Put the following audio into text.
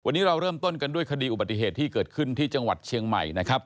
วันนี้เราเริ่มต้นกันด้วยคดีอุบัติเหตุที่เกิดขึ้นที่จังหวัดเชียงใหม่นะครับ